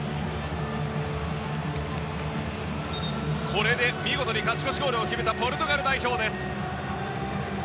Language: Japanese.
これで見事に勝ち越しゴールを決めたポルトガル代表。